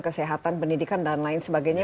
kesehatan pendidikan dan lain sebagainya